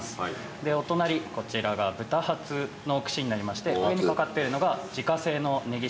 でお隣こちらが豚ハツの串になりまして上に掛かってるのが自家製のネギ塩